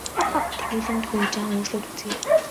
Тэгвэл энэ түүхийг жаахан өөрчлөөд үзье.